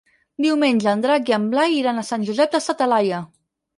Diumenge en Drac i en Blai iran a Sant Josep de sa Talaia.